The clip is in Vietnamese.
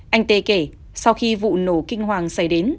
anh tê kể sau khi vụ nổ kinh hoàng xảy đến